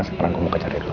sekarang gua mau kejarin lu